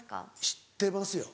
知ってますよ。